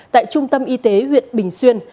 tại trung tâm y tế huyện bình xuyên